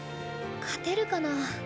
勝てるかなあ。